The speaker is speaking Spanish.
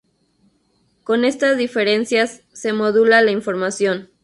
Con esta diferencias se modula la información.